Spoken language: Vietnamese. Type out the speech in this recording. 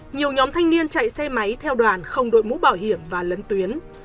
nhiều nhóm thanh niên chạy xe máy theo đoàn không đội mũ bảo hiểm và lấn tuyến